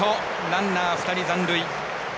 ランナー、２人残塁。